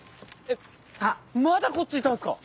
えっまだこっちいたんすか？